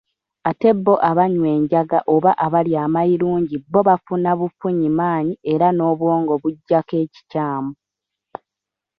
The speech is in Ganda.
Ate bo abanywa enjaga oba abalya amayirungi bo bafuna bufunyi maanyi era n'obwongo bujjako ekikyamu.